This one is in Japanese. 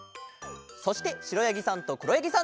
そしてしろやぎさんとくろやぎさんです。